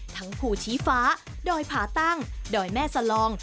ทั้งผู้ชี้ฟ้าดอยพาตั้งดอยแม่สลอง